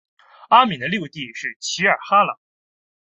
阿敏的六弟是济尔哈朗。